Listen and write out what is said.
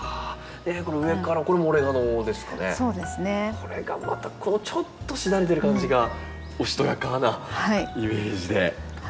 これがまたちょっとしだれてる感じがおしとやかなイメージで。